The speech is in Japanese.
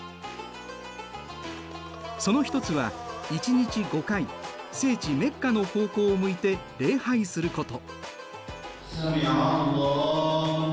その一つは１日５回聖地メッカの方向を向いて礼拝すること。